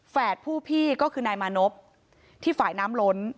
ผู้พี่ก็คือนายมานพที่ฝ่ายน้ำล้น